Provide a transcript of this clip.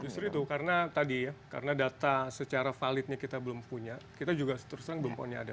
justru itu karena tadi ya karena data secara validnya kita belum punya kita juga terus terang belum punya ada